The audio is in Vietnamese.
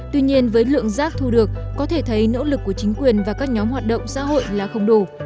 tuy nhiên với lượng rác thu được có thể thấy nỗ lực của chính quyền và các nhóm hoạt động xã hội là không đủ